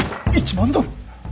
１万ドル！？